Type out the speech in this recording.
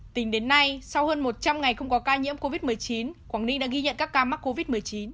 tính đến nay sau hơn một trăm linh ngày không có ca nhiễm covid một mươi chín quảng ninh đã ghi nhận các ca mắc covid một mươi chín